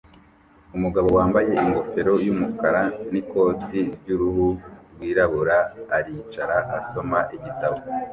Umugabo wambaye ingofero yumukara n'ikoti ryuruhu rwirabura aricara asoma igitabo